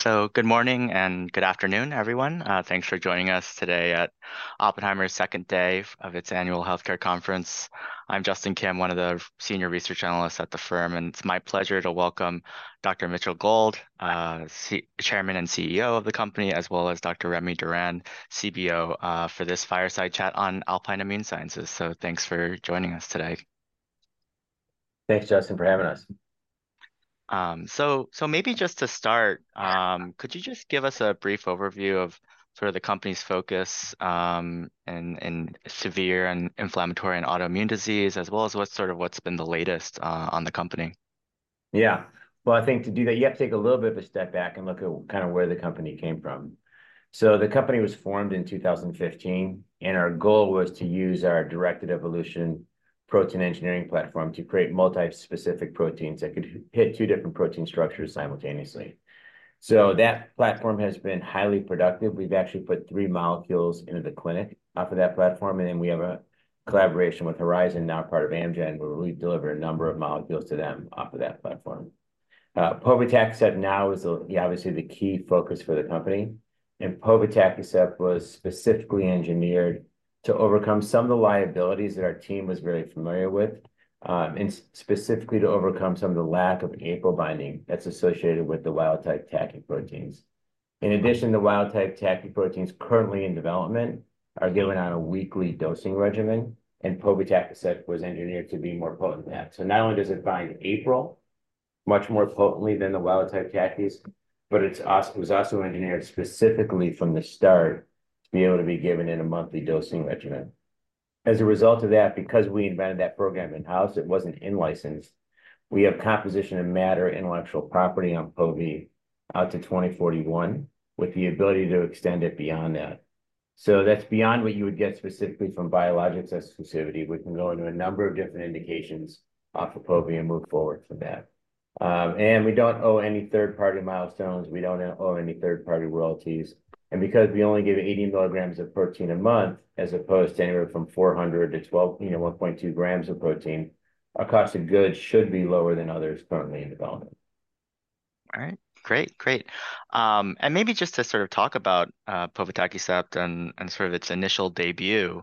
So good morning and good afternoon, everyone. Thanks for joining us today at Oppenheimer's second day of its annual healthcare conference. I'm Justin Kim, one of the senior research analysts at the firm, and it's my pleasure to welcome Dr Mitchell Gold, Co-Chairman and CEO of the company, as well as Dr Remy Durand, CBO, for this fireside chat on Alpine Immune Sciences. So thanks for joining us today. Thanks, Justin, for having us. Maybe just to start, could you just give us a brief overview of sort of the company's focus in severe and inflammatory and autoimmune disease, as well as what's sort of been the latest on the company? Yeah. Well, I think to do that, you have to take a little bit of a step back and look at kind of where the company came from. So the company was formed in 2015, and our goal was to use our directed evolution protein engineering platform to create multi-specific proteins that could hit two different protein structures simultaneously. So that platform has been highly productive. We've actually put three molecules into the clinic off of that platform, and then we have a collaboration with Horizon, now part of Amgen, where we deliver a number of molecules to them off of that platform. Povetacicept now is the, yeah, obviously the key focus for the company. Povetacicept was specifically engineered to overcome some of the liabilities that our team was very familiar with, and specifically to overcome some of the lack of APRIL binding that's associated with the wild-type TACI proteins. In addition, the wild-type TACI proteins currently in development are given on a weekly dosing regimen, and povetacicept was engineered to be more potent than that. So not only does it bind APRIL much more potently than the wild-type TACIs, but it was also engineered specifically from the start to be able to be given in a monthly dosing regimen. As a result of that, because we invented that program in-house, it wasn't in-licensed, we have composition of matter intellectual property on povetacicept out to 2041 with the ability to extend it beyond that. So that's beyond what you would get specifically from biologics exclusivity. We can go into a number of different indications off of povetacicept and move forward from that. We don't owe any third-party milestones. We don't owe any third-party royalties. Because we only give 80 mg of protein a month as opposed to anywhere from 400 to 12, you know, 1.2 grams of protein, our cost of goods should be lower than others currently in development. All right. Great, great. And maybe just to sort of talk about povetacicept and sort of its initial debut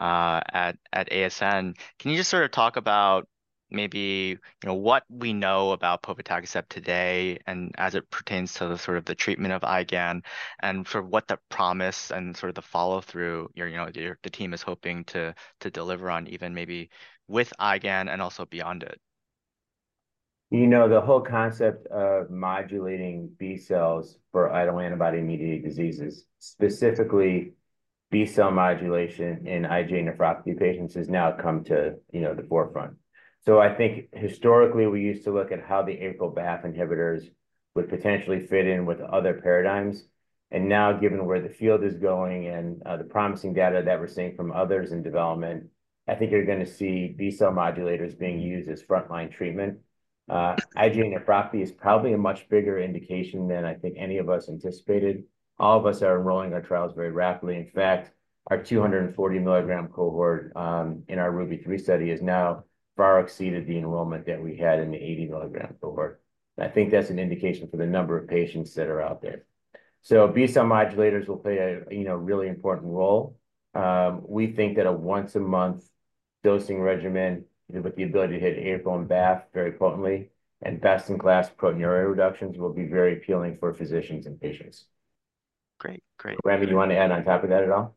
at ASN, can you just sort of talk about maybe, you know, what we know about povetacicept today and as it pertains to the sort of the treatment of IgAN and sort of what the promise and sort of the follow-through, you know, the team is hoping to deliver on even maybe with IgAN and also beyond it? You know, the whole concept of modulating B cells for autoantibody-mediated diseases, specifically B cell modulation in IgA nephropathy patients, has now come to, you know, the forefront. So I think historically we used to look at how the BAFF/APRIL inhibitors would potentially fit in with other paradigms. And now, given where the field is going and, the promising data that we're seeing from others in development, I think you're going to see B cell modulators being used as frontline treatment. IgA nephropathy is probably a much bigger indication than I think any of us anticipated. All of us are enrolling our trials very rapidly. In fact, our 240 mg cohort, in our RUBY-3 study has now far exceeded the enrollment that we had in the 80 mg cohort. And I think that's an indication for the number of patients that are out there. B cell modulators will play a, you know, really important role. We think that a once-a-month dosing regimen with the ability to hit APRIL and BAFF very potently and best-in-class proteinuria reductions will be very appealing for physicians and patients. Great, great. Remy, do you want to add on top of that at all?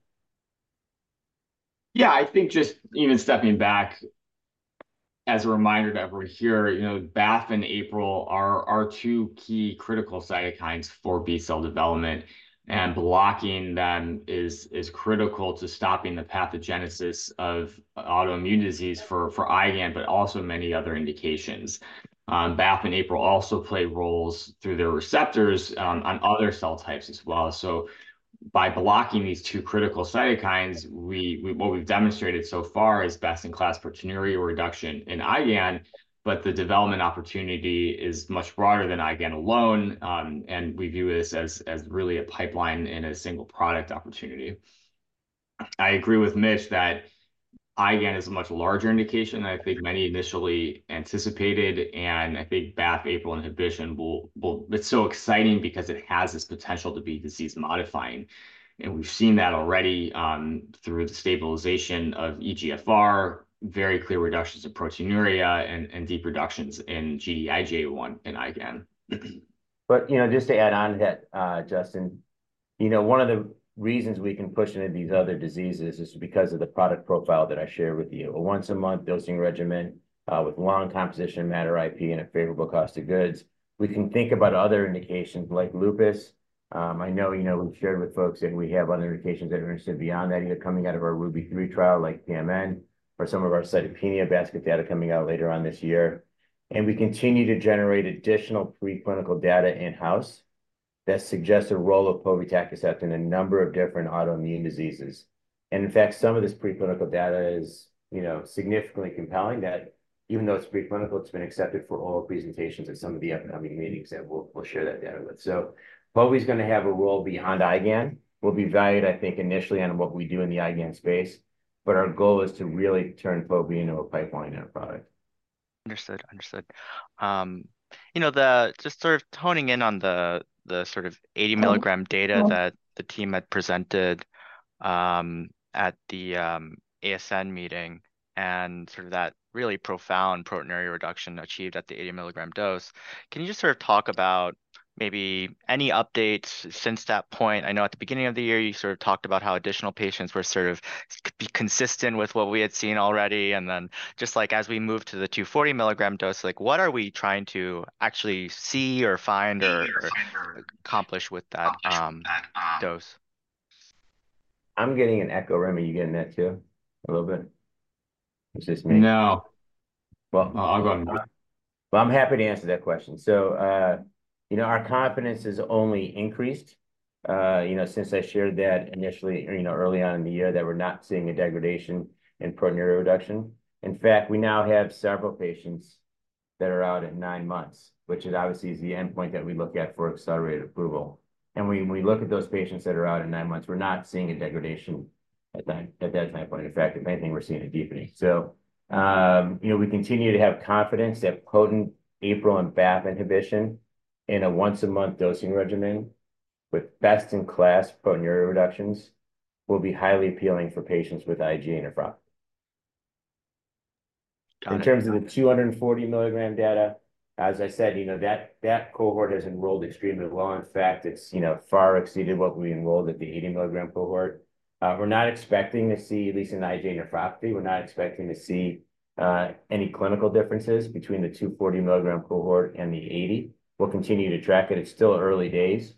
Yeah, I think just even stepping back as a reminder to everyone here, you know, BAFF and APRIL are two key critical cytokines for B cell development. And blocking them is, is critical to stopping the pathogenesis of autoimmune disease for, for IgAN, but also many other indications. BAFF and APRIL also play roles through their receptors, on other cell types as well. So by blocking these two critical cytokines, we, we what we've demonstrated so far is best-in-class proteinuria reduction in IgAN, but the development opportunity is much broader than IgAN alone. And we view this as, as really a pipeline and a single product opportunity. I agree with Mitch that IgAN is a much larger indication than I think many initially anticipated, and I think BAFF/APRIL inhibition will, will it's so exciting because it has this potential to be disease-modifying. We've seen that already, through the stabilization of eGFR, very clear reductions of proteinuria, and deep reductions in Gd-IgA1 in IgAN. But, you know, just to add on to that, Justin, you know, one of the reasons we can push into these other diseases is because of the product profile that I shared with you. A once-a-month dosing regimen, with long composition matter IP and a favorable cost of goods. We can think about other indications like lupus. I know, you know, we've shared with folks that we have other indications that are interested beyond that, either coming out of our RUBY-3 trial like pMN or some of our cytopenia basket data coming out later on this year. And we continue to generate additional preclinical data in-house that suggests a role of povetacicept in a number of different autoimmune diseases. And in fact, some of this preclinical data is, you know, significantly compelling that even though it's preclinical, it's been accepted for oral presentations at some of the upcoming meetings that we'll share that data with. So povi is going to have a role beyond IgAN. We'll be valued, I think, initially on what we do in the IgAN space. But our goal is to really turn povi into a pipeline and a product. Understood, understood. You know, just sort of zeroing in on the 80 mg data that the team had presented at the ASN meeting and sort of that really profound proteinuria reduction achieved at the 80 mg dose. Can you just sort of talk about maybe any updates since that point? I know at the beginning of the year you sort of talked about how additional patients were sort of be consistent with what we had seen already. And then just like as we move to the 240 mg dose, like what are we trying to actually see or find or accomplish with that dose? I'm getting an echo, Remy. You getting that too? A little bit? Is this me? No. Well, I'll go ahead. Well, I'm happy to answer that question. So, you know, our confidence has only increased, you know, since I shared that initially, you know, early on in the year that we're not seeing a degradation in proteinuria reduction. In fact, we now have several patients that are out at nine months, which is obviously the endpoint that we look at for accelerated approval. We, when we look at those patients that are out in nine months, we're not seeing a degradation at that, at that time point. In fact, if anything, we're seeing a deepening. So, you know, we continue to have confidence that potent APRIL and BAFF inhibition in a once-a-month dosing regimen with best-in-class proteinuria reductions will be highly appealing for patients with IgA nephropathy. Got it. In terms of the 240 mg data, as I said, you know, that cohort has enrolled extremely well. In fact, it's, you know, far exceeded what we enrolled at the 80 mg cohort. We're not expecting to see, at least in IgA nephropathy, any clinical differences between the 240 mg cohort and the 80. We'll continue to track it. It's still early days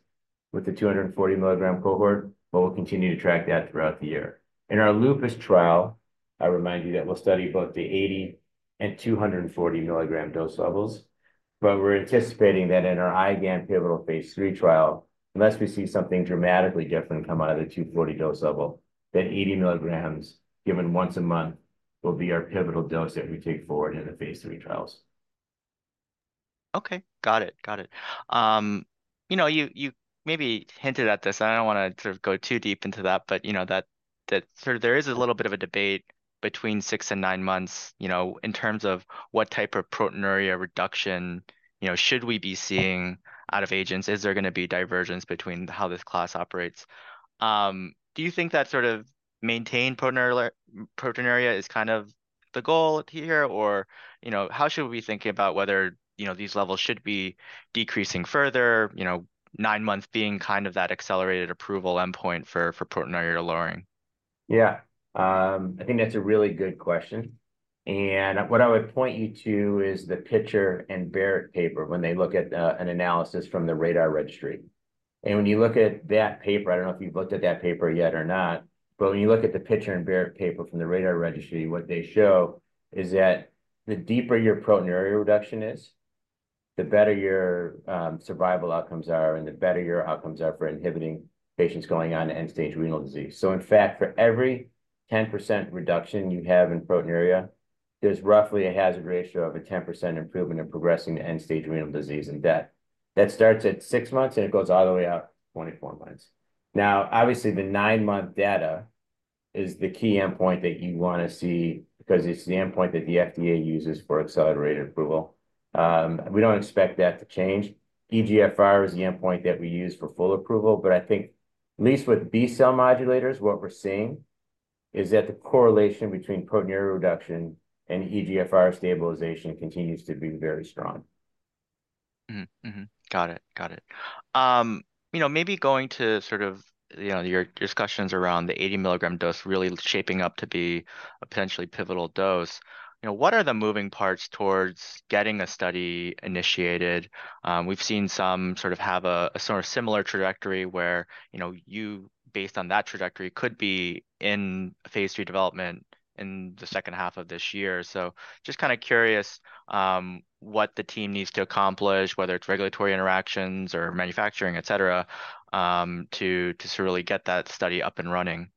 with the 240 mg cohort, but we'll continue to track that throughout the year. In our lupus trial, I remind you that we'll study both the 80 and 240 mg dose levels. But we're anticipating that in our IgAN pivotal phase III trial, unless we see something dramatically different come out of the 240 dose level, that 80 mg given once a month will be our pivotal dose that w e take forward in the phase III trials. Okay. Got it, got it. You know, you, you maybe hinted at this. I don't want to sort of go too deep into that, but you know, that, that sort of there is a little bit of a debate between six and nine months, you know, in terms of what type of proteinuria reduction, you know, should we be seeing out of agents? Is there going to be divergence between how this class operates? Do you think that sort of maintained proteinuria is kind of the goal here, or, you know, how should we be thinking about whether, you know, these levels should be decreasing further, you know, nine months being kind of that accelerated approval endpoint for, for proteinuria lowering? Yeah. I think that's a really good question. What I would point you to is the Pitcher and Barrett paper when they look at an analysis from the RaDaR Registry. When you look at that paper, I don't know if you've looked at that paper yet or not, but when you look at the Pitcher and Barrett paper from the RaDaR Registry, what they show is that the deeper your proteinuria reduction is, the better your survival outcomes are and the better your outcomes are for inhibiting patients going on to end-stage renal disease. So in fact, for every 10% reduction you have in proteinuria, there's roughly a hazard ratio of a 10% improvement in progressing to end-stage renal disease and death. That starts at six months and it goes all the way out to 24 months. Now, obviously, the nine-month data is the key endpoint that you want to see because it's the endpoint that the FDA uses for accelerated approval. We don't expect that to change. eGFR is the endpoint that we use for full approval, but I think at least with B cell modulators, what we're seeing is that the correlation between proteinuria reduction and eGFR stabilization continues to be very strong. Mm-hmm, mm-hmm. Got it, got it. You know, maybe going to sort of, you know, your discussions around the 80 mg dose really shaping up to be a potentially pivotal dose. You know, what are the moving parts towards getting a study initiated? We've seen some sort of similar trajectory where, you know, you, based on that trajectory, could be in phase III development in the second half of this year. So just kind of curious, what the team needs to accomplish, whether it's regulatory interactions or manufacturing, etc., to sort of really get that study up and running.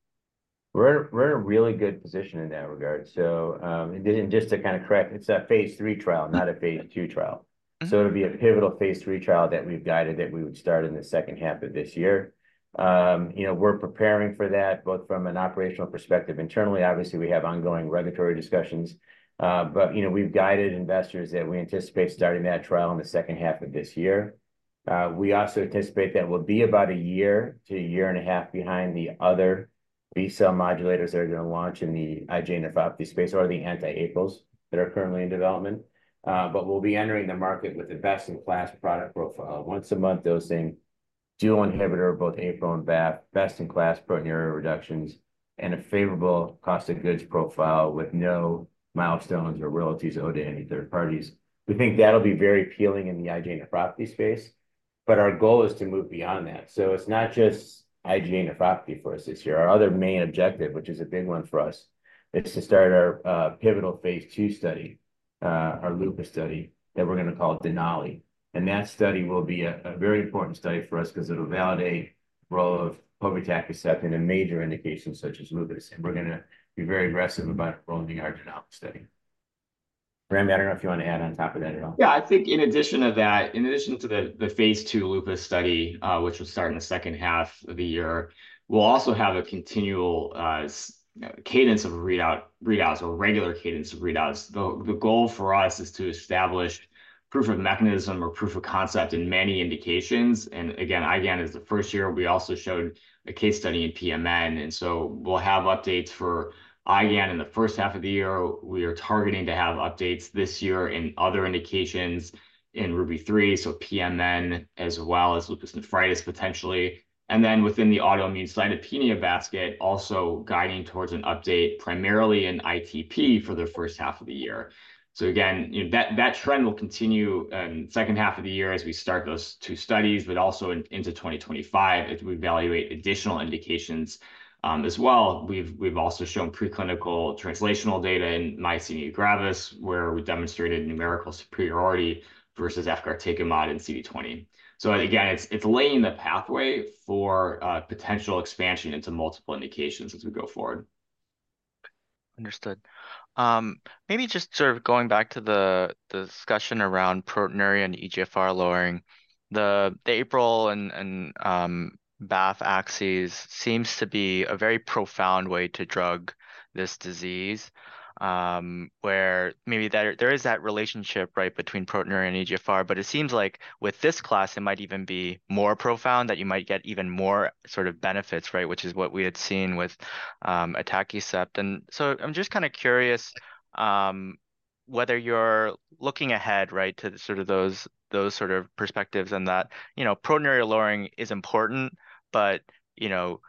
We're in a really good position in that regard. So, and just to kind of correct, it's a phase III trial, not a phase II trial. So it'll be a pivotal phase III trial that we've guided that we would start in the second half of this year. You know, we're preparing for that both from an operational perspective. Internally, obviously, we have ongoing regulatory discussions. But, you know, we've guided investors that we anticipate starting that trial in the second half of this year. We also anticipate that we'll be about a year to a year and a half behind the other B cell modulators that are going to launch in the IgA nephropathy space or the anti-APOs that are currently in development. but we'll be entering the market with the best-in-class product profile, once-a-month dosing, dual inhibitor, both APRIL and BAFF, best-in-class proteinuria reductions, and a favorable cost of goods profile with no milestones or royalties owed to any third parties. We think that'll be very appealing in the IgA nephropathy space. But our goal is to move beyond that. So it's not just IgA nephropathy for us this year. Our other main objective, which is a big one for us, is to start our pivotal phase II study, our lupus study that we're going to call Denali. And that study will be a very important study for us because it'll validate the role of povetacicept in a major indication such as lupus. And we're going to be very aggressive about enrolling our Denali study. Remy, I don't know if you want to add on top of that at all. Yeah, I think in addition to that, in addition to the phase II lupus study, which will start in the second half of the year, we'll also have a continual cadence of readouts or regular cadence of readouts. The goal for us is to establish proof of mechanism or proof of concept in many indications. Again, IgAN is the first year. We also showed a case study in PMN. So we'll have updates for IgAN in the first half of the year. We are targeting to have updates this year in other indications in RUBY-3, so PMN as well as lupus nephritis potentially. Then within the autoimmune cytopenia basket, also guiding towards an update primarily in ITP for the first half of the year. So again, you know, that, that trend will continue in the second half of the year as we start those two studies, but also into 2025 as we evaluate additional indications, as well. We've, we've also shown preclinical translational data in myasthenia gravis where we demonstrated numerical superiority versus efgartigimod in CD20. So again, it's, it's laying the pathway for, potential expansion into multiple indications as we go forward. Understood. Maybe just sort of going back to the discussion around proteinuria and eGFR lowering, the APRIL and BAFF axes seems to be a very profound way to drug this disease, where maybe that there is that relationship, right, between proteinuria and eGFR, but it seems like with this class, it might even be more profound that you might get even more sort of benefits, right, which is what we had seen with atacicept. And so I'm just kind of curious, whether you're looking ahead, right, to sort of those, those sort of perspectives and that, you know, proteinuria lowering is important, but, you know,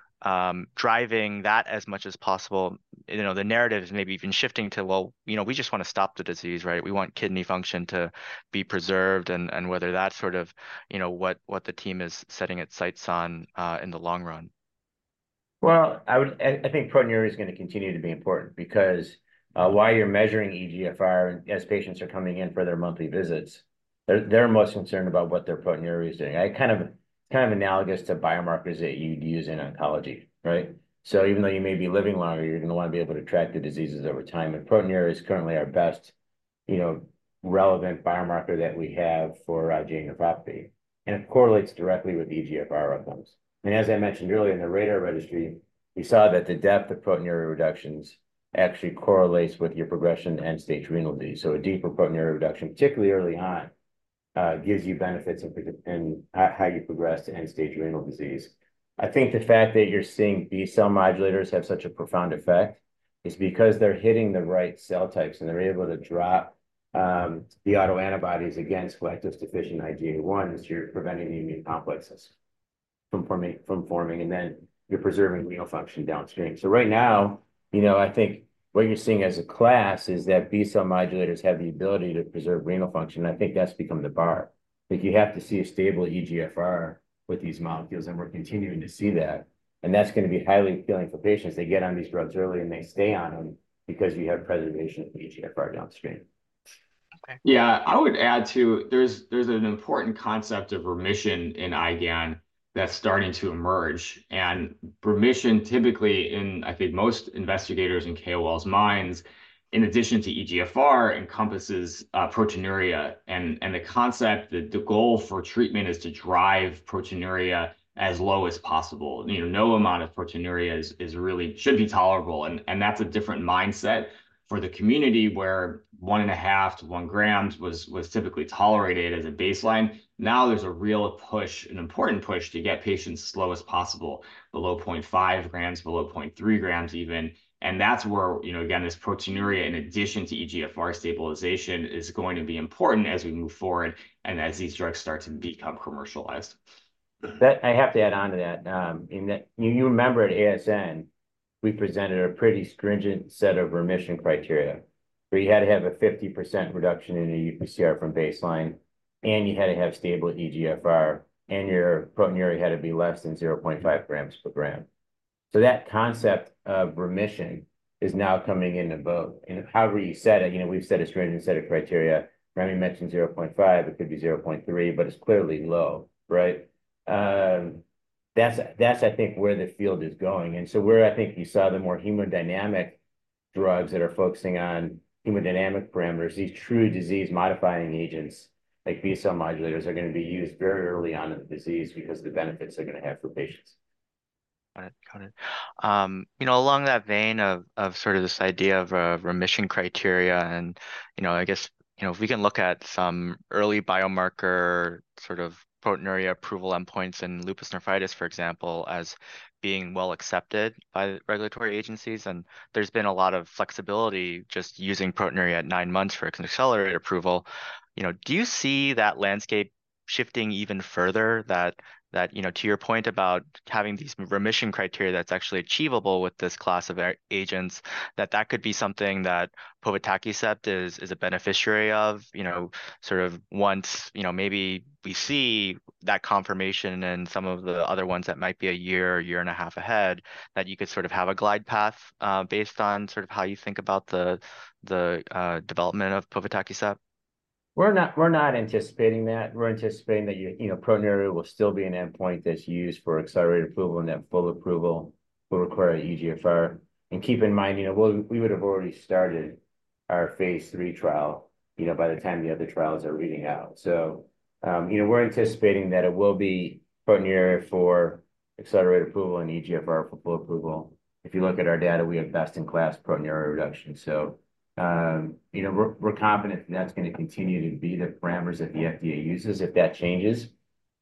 driving that as much as possible, you know, the narrative is maybe even shifting to, well, you know, we just want to stop the disease, right? We want kidney function to be preserved and whether that's sort of, you know, what the team is setting its sights on, in the long run. Well, I would, I think proteinuria is going to continue to be important because, while you're measuring eGFR and as patients are coming in for their monthly visits, they're most concerned about what their proteinuria is doing. I kind of analogous to biomarkers that you'd use in oncology, right? So even though you may be living longer, you're going to want to be able to track the diseases over time. And proteinuria is currently our best, you know, relevant biomarker that we have for IgA nephropathy. And it correlates directly with eGFR outcomes. And as I mentioned earlier in the RaDaR Registry, we saw that the depth of proteinuria reductions actually correlates with your progression to end-stage renal disease. So a deeper proteinuria reduction, particularly early on, gives you benefits in how you progress to end-stage renal disease. I think the fact that you're seeing B cell modulators have such a profound effect is because they're hitting the right cell types and they're able to drop the autoantibodies against galactose-deficient IgA1. So you're preventing the immune complexes from forming and then you're preserving renal function downstream. So right now, you know, I think what you're seeing as a class is that B cell modulators have the ability to preserve renal function. I think that's become the bar. Like you have to see a stable eGFR with these molecules. And we're continuing to see that. And that's going to be highly appealing for patients. They get on these drugs early and they stay on them because you have preservation of eGFR downstream. Okay. Yeah, I would add too, there's an important concept of remission in IgAN that's starting to emerge. Remission typically in, I think, most investigators in KOLs' minds, in addition to eGFR, encompasses proteinuria. And the concept, the goal for treatment is to drive proteinuria as low as possible. You know, no amount of proteinuria is really should be tolerable. And that's a different mindset for the community where 1.5-1 grams was typically tolerated as a baseline. Now there's a real push, an important push to get patients as low as possible, below 0.5 grams, below 0.3 grams even. And that's where, you know, again, this proteinuria in addition to eGFR stabilization is going to be important as we move forward and as these drugs start to become commercialized. That I have to add on to that. In that, you remember at ASN, we presented a pretty stringent set of remission criteria where you had to have a 50% reduction in your UPCR from baseline and you had to have stable eGFR and your proteinuria had to be less than 0.5 grams per gram. So that concept of remission is now coming into vogue. And however you set it, you know, we've set a stringent set of criteria. Remy mentioned 0.5. It could be 0.3, but it's clearly low, right? That's, I think, where the field is going. And so where, I think, you saw the more hemodynamic drugs that are focusing on hemodynamic parameters, these true disease modifying agents, like B cell modulators, are going to be used very early on in the disease because of the benefits they're going to have for patients. Got it, got it. You know, along that vein of sort of this idea of remission criteria and, you know, I guess, you know, if we can look at some early biomarker sort of proteinuria approval endpoints in lupus nephritis, for example, as being well accepted by regulatory agencies and there's been a lot of flexibility just using proteinuria at nine months for accelerated approval. You know, do you see that landscape shifting even further, that, you know, to your point about having these remission criteria that's actually achievable with this class of agents, that that could be something that povetacicept is a beneficiary of, you know, sort of once, you know, maybe we see that confirmation in some of the other ones that might be a year or year and a half ahead, that you could sort of have a glide path, based on sort of how you think about the development of povetacicept? We're not anticipating that. We're anticipating that, you know, proteinuria will still be an endpoint that's used for accelerated approval and that full approval will require eGFR. And keep in mind, you know, we'll, we would have already started our phase III trial, you know, by the time the other trials are reading out. So, you know, we're anticipating that it will be proteinuria for accelerated approval and eGFR for full approval. If you look at our data, we have best-in-class proteinuria reduction. So, you know, we're confident that that's going to continue to be the parameters that the FDA uses. If that changes,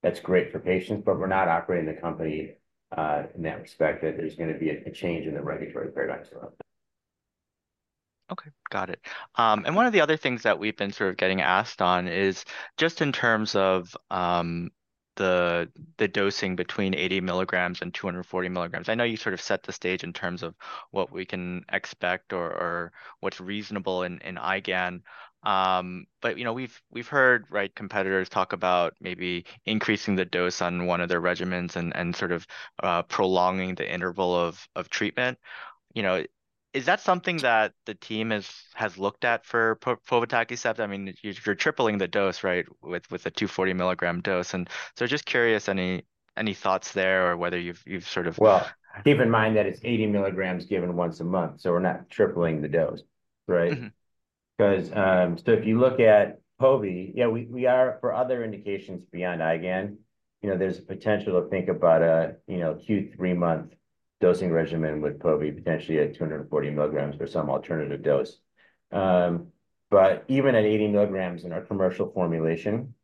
that's great for patients, but we're not operating the company in that respect that there's going to be a change in the regulatory paradigms around that. Okay, got it. And one of the other things that we've been sort of getting asked on is just in terms of the dosing between 80 mg and 240 mg. I know you sort of set the stage in terms of what we can expect or what's reasonable in IgAN. But you know, we've heard, right, competitors talk about maybe increasing the dose on one of their regimens and sort of prolonging the interval of treatment. You know, is that something that the team has looked at for povetacicept? I mean, you're tripling the dose, right, with a 240 mg dose. And so just curious, any thoughts there or whether you've sort of? Well, keep in mind that it's 80 mg given once a month. So we're not tripling the dose, right? Because, so if you look at povi, yeah, we, we are for other indications beyond IgAN, you know, there's a potential to think about a, you know, Q3 month dosing regimen with povi potentially at 240 mg or some alternative dose. But even at 80 mg in our commercial formulation,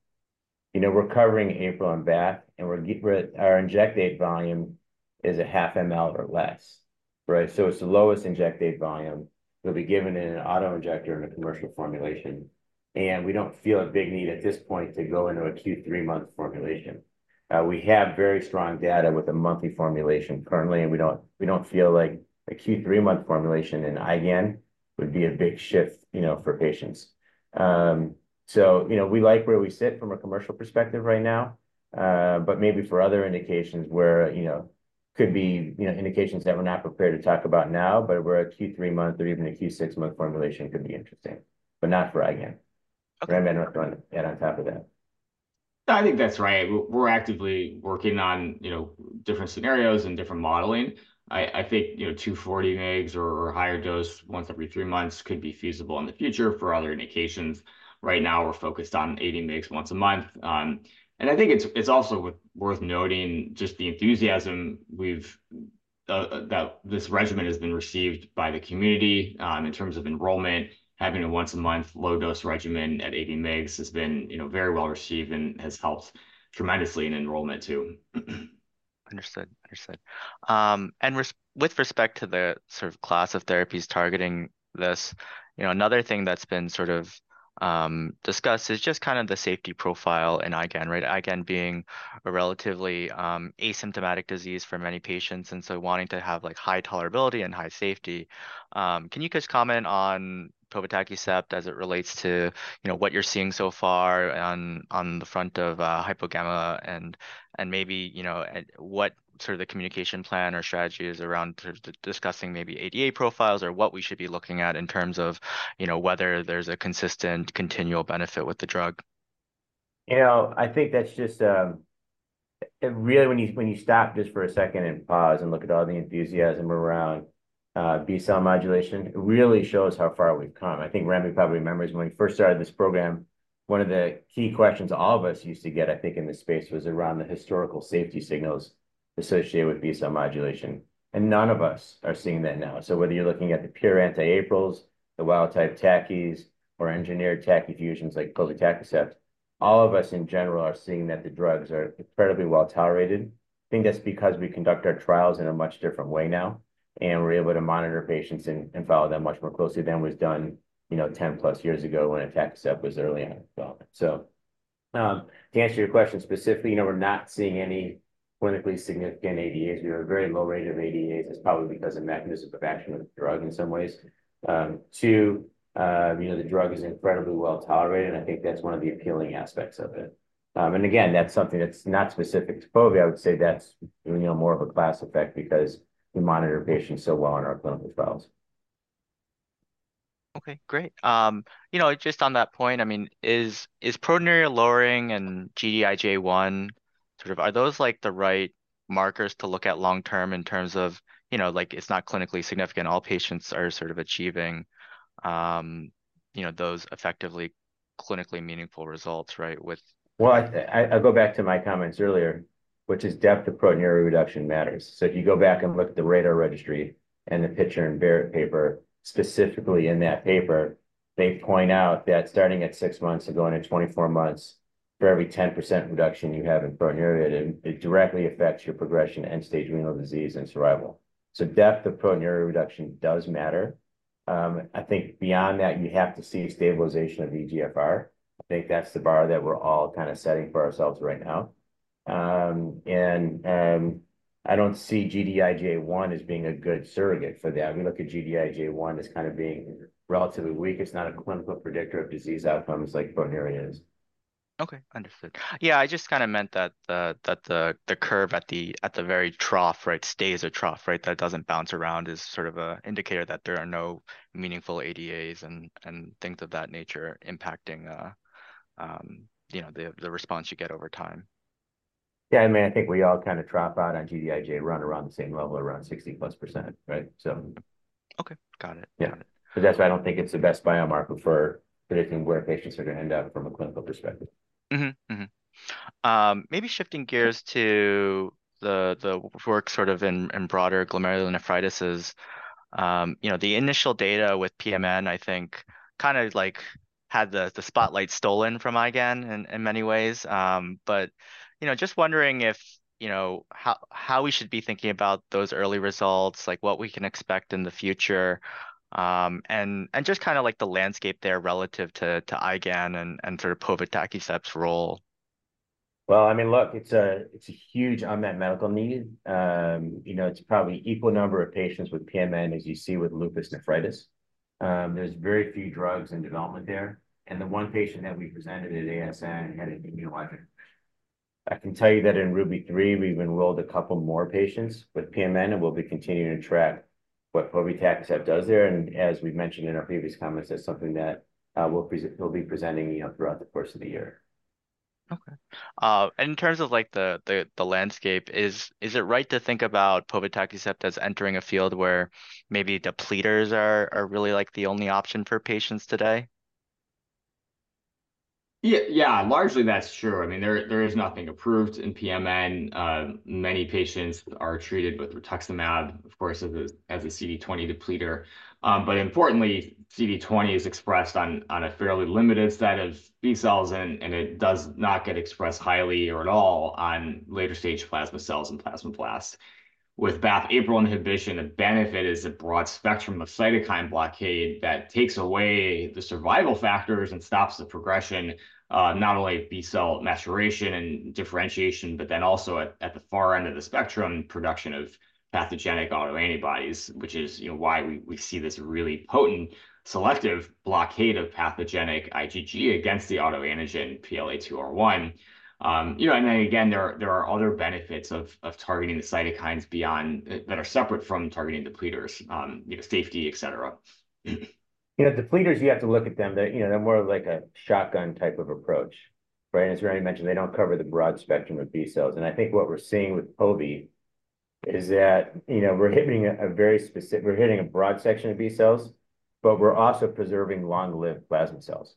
you know, we're covering APRIL and BAFF and we're, we're our injectate volume is 0.5 ml or less, right? So it's the lowest injectate volume that'll be given in an autoinjector in a commercial formulation. And we don't feel a big need at this point to go into a Q3 month formulation. We have very strong data with a monthly formulation currently and we don't, we don't feel like a Q3 month formulation in IgAN would be a big shift, you know, for patients. So, you know, we like where we sit from a commercial perspective right now. But maybe for other indications where, you know, could be, you know, indications that we're not prepared to talk about now, but where a Q3 month or even a Q6 month formulation could be interesting. But not for IgAN. Okay. Remy, I don't know if you want to add on top of that. No, I think that's right. We're actively working on, you know, different scenarios and different modeling. I think, you know, 240 mg or higher dose once every three months could be feasible in the future for other indications. Right now we're focused on 80 mg once a month. I think it's also worth noting just the enthusiasm we've, that this regimen has been received by the community, in terms of enrollment, having a once-a-month low-dose regimen at 80 mg has been, you know, very well received and has helped tremendously in enrollment too. Understood, understood. And with respect to the sort of class of therapies targeting this, you know, another thing that's been sort of, discussed is just kind of the safety profile in IgAN, right? IgAN being a relatively, asymptomatic disease for many patients and so wanting to have like high tolerability and high safety. Can you guys comment on povetacicept as it relates to, you know, what you're seeing so far on, on the front of, hypogam and, and maybe, you know, what sort of the communication plan or strategy is around sort of discussing maybe ADA profiles or what we should be looking at in terms of, you know, whether there's a consistent continual benefit with the drug? You know, I think that's just it. Really, when you stop just for a second and pause and look at all the enthusiasm around B cell modulation, it really shows how far we've come. I think Remy probably remembers when we first started this program, one of the key questions all of us used to get, I think, in this space was around the historical safety signals associated with B cell modulation. None of us are seeing that now. So whether you're looking at the pure anti-APRILs, the wild-type TACIs, or engineered TACI fusions like povetacicept, all of us in general are seeing that the drugs are incredibly well tolerated. I think that's because we conduct our trials in a much different way now. And we're able to monitor patients and follow them much more closely than was done, you know, 10+ years ago when atacicept was early on in development. So, to answer your question specifically, you know, we're not seeing any clinically significant ADAs. We have a very low rate of ADAs. It's probably because of mechanism of action of the drug in some ways. Too, you know, the drug is incredibly well tolerated. I think that's one of the appealing aspects of it. And again, that's something that's not specific to povi. I would say that's, you know, more of a class effect because we monitor patients so well in our clinical trials. Okay, great. You know, just on that point, I mean, is proteinuria lowering and Gd-IgA1 sort of, are those like the right markers to look at long-term in terms of, you know, like it's not clinically significant. All patients are sort of achieving, you know, those effectively clinically meaningful results, right, with. Well, I, I'll go back to my comments earlier, which is depth of proteinuria reduction matters. So if you go back and look at the RaDaR Registry and the Pitcher and Barratt paper, specifically in that paper, they point out that starting at six months and going to 24 months for every 10% reduction you have in proteinuria, it directly affects your progression to end-stage renal disease and survival. So depth of proteinuria reduction does matter. I think beyond that, you have to see stabilization of eGFR. I think that's the bar that we're all kind of setting for ourselves right now. I don't see Gd-IgA1 as being a good surrogate for that. We look at Gd-IgA1 as kind of being relatively weak. It's not a clinical predictor of disease outcomes like proteinuria is. Okay, understood. Yeah, I just kind of meant that the curve at the very trough, right, stays a trough, right? That doesn't bounce around is sort of an indicator that there are no meaningful ADAs and things of that nature impacting, you know, the response you get over time. Yeah, I mean, I think we all kind of throw out on Gd-IgA1, run around the same level around 60%+, right? So. Okay, got it. Got it. Yeah. Because that's why I don't think it's the best biomarker for predicting where patients are going to end up from a clinical perspective. Mm-hmm. Mm-hmm. Maybe shifting gears to the, the work sort of in, in broader glomerulonephritis. You know, the initial data with PMN, I think, kind of like had the spotlight stolen from IgAN in, in many ways. But you know, just wondering if you know, how we should be thinking about those early results, like what we can expect in the future. And just kind of like the landscape there relative to IgAN and sort of povetacicept's role. Well, I mean, look, it's a, it's a huge unmet medical need. You know, it's probably equal number of patients with PMN as you see with lupus nephritis. There's very few drugs in development there. And the one patient that we presented at ASN had an immunologic condition. I can tell you that in RUBY-3, we've enrolled a couple more patients with PMN and we'll be continuing to track what povetacicept does there. And as we mentioned in our previous comments, that's something that, we'll present, we'll be presenting, you know, throughout the course of the year. Okay. And in terms of like the landscape, is it right to think about povetacicept as entering a field where maybe depletors are really like the only option for patients today? Yeah, yeah, largely that's true. I mean, there is nothing approved in PMN. Many patients are treated with rituximab, of course, as a, as a CD20 depletor. But importantly, CD20 is expressed on a fairly limited set of B cells and it does not get expressed highly or at all on later stage plasma cells and plasma blasts. With BAFF/APRIL inhibition, the benefit is a broad spectrum of cytokine blockade that takes away the survival factors and stops the progression, not only of B cell maturation and differentiation, but then also at the far end of the spectrum, production of pathogenic autoantibodies, which is, you know, why we see this really potent selective blockade of pathogenic IgG against the autoantigen PLA2R1. You know, and then again, there are other benefits of targeting the cytokines beyond that are separate from targeting depletors, you know, safety, et cetera. You know, depletors, you have to look at them that, you know, they're more of like a shotgun type of approach. Right? As Remy mentioned, they don't cover the broad spectrum of B cells. And I think what we're seeing with povi is that, you know, we're hitting a very specific, we're hitting a broad section of B cells. But we're also preserving long-lived plasma cells.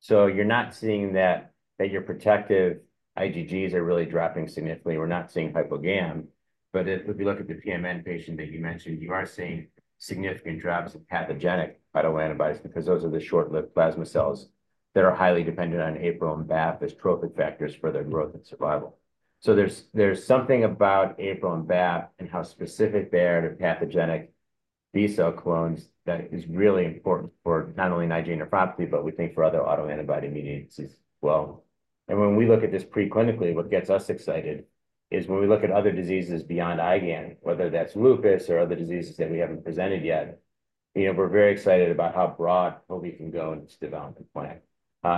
So you're not seeing that your protective IgGs are really dropping significantly. We're not seeing hypogam. But if we look at the PMN patient that you mentioned, you are seeing significant drops of pathogenic autoantibodies because those are the short-lived plasma cells that are highly dependent on APRIL and BAFF as trophic factors for their growth and survival. So there's something about APRIL and BAFF and how specific they are to pathogenic B cell clones that is really important for not only IgA nephropathy, but we think for other autoantibody immunities as well. And when we look at this preclinically, what gets us excited is when we look at other diseases beyond IgAN, whether that's lupus or other diseases that we haven't presented yet. You know, we're very excited about how broad povi can go into development plan.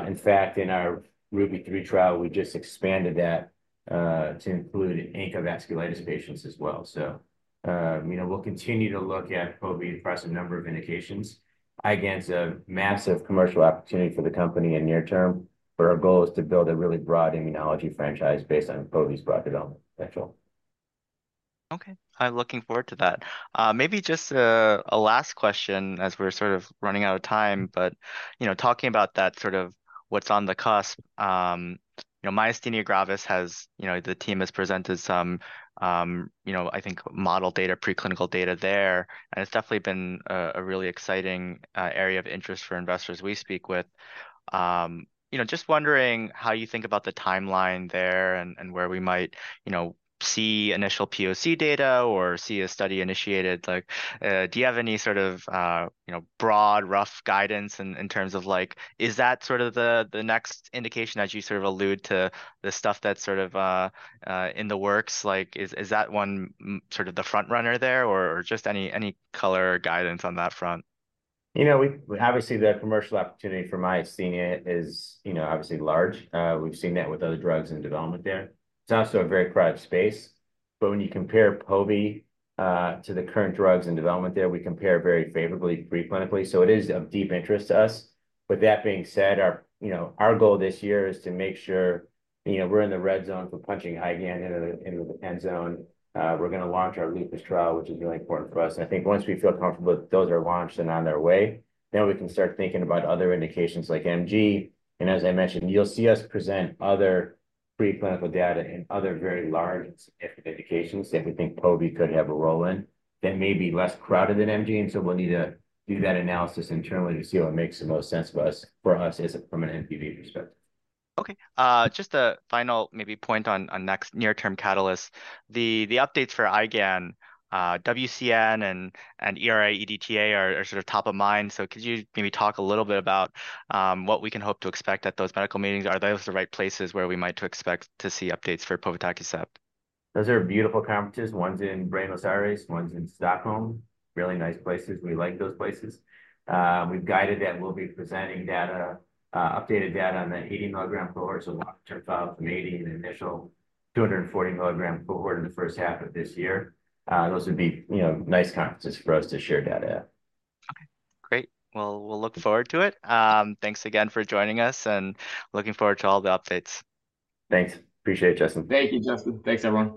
In fact, in our RUBY-3 trial, we just expanded that, to include ANCA vasculitis patients as well. So, you know, we'll continue to look at povi across a number of indications. IgAN's a massive commercial opportunity for the company in near term, but our goal is to build a really broad immunology franchise based on povi's broad development potential. Okay. I'm looking forward to that. Maybe just a last question as we're sort of running out of time, but you know, talking about that sort of what's on the cusp. You know, Myasthenia gravis has, you know, the team has presented some, you know, I think model data, preclinical data there. And it's definitely been a really exciting area of interest for investors we speak with. You know, just wondering how you think about the timeline there and where we might you know, see initial PoC data or see a study initiated. Like, do you have any sort of you know, broad, rough guidance in terms of like, is that sort of the next indication as you sort of allude to the stuff that's sort of in the works? Like, is that one sort of the frontrunner there or just any color guidance on that front? You know, we obviously the commercial opportunity for myasthenia is, you know, obviously large. We've seen that with other drugs in development there. It's also a very private space. But when you compare povi to the current drugs in development there, we compare very favorably preclinically. So it is of deep interest to us. With that being said, our goal this year is to make sure, you know, we're in the red zone for punching IgAN into the end zone. We're going to launch our lupus trial, which is really important for us. And I think once we feel comfortable that those are launched and on their way, then we can start thinking about other indications like MG. As I mentioned, you'll see us present other preclinical data and other very large and significant indications that we think povi could have a role in that may be less crowded than MG. So we'll need to do that analysis internally to see what makes the most sense for us, for us as a from an NPV perspective. Okay. Just a final maybe point on next near-term catalyst. The updates for IgAN, WCN and ERA-EDTA are sort of top of mind. So could you maybe talk a little bit about what we can hope to expect at those medical meetings? Are those the right places where we might expect to see updates for povetacicept? Those are beautiful conferences. One's in Buenos Aires, one's in Stockholm. Really nice places. We like those places. We've guided that we'll be presenting data, updated data on the 80 mg cohort, so long-term follow-up from 80 and initial 240 mg cohort in the first half of this year. Those would be, you know, nice conferences for us to share data at. Okay, great. Well, we'll look forward to it. Thanks again for joining us and looking forward to all the updates. Thanks. Appreciate it, Justin. Thank you, Justin. Thanks, everyone.